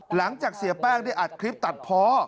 หลังจากเสียแป้งได้อัดคลิปตัดเพาะ